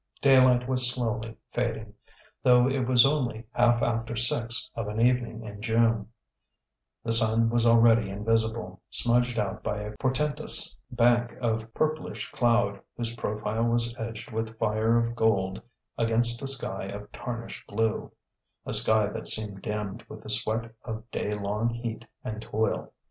Daylight was slowly fading. Though it was only half after six of an evening in June, the sun was already invisible, smudged out by a portentous bank of purplish cloud whose profile was edged with fire of gold against a sky of tarnished blue a sky that seemed dimmed with the sweat of day long heat and toil.